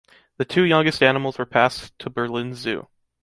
The two youngest animals were passed to Berlin Zoo.